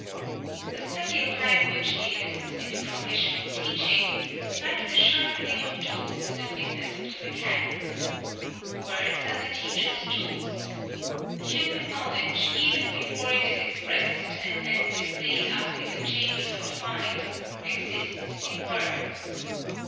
The study of language is, in the profession of teaching, like the sharpening of tools in the business of the mechanic. Words are the teacher's tools. Human knowledge, even before it is expressed, and as it is laid up in the chambers of the mind, exists in words.